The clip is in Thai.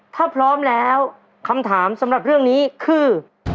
ถ้าพร้อมแล้วคำถามสำหรับเรื่องนี้คือ